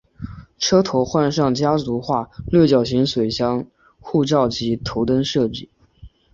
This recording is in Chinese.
车头换上家族化的六角形水箱护罩及头灯设计。